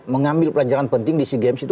mengambil pelajaran penting di sea games itu